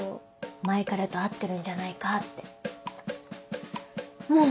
前カレと会ってるんじゃないかってもう！